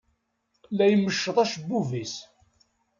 La imecceḍ acebbub-is.